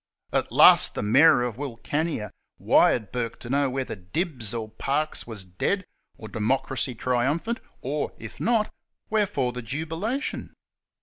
At last the Mayor of Wilcannia wired Bourke to know whether Dibbs or Parkes was dead, or democracy triumphant, or if not, wherefore the jubilation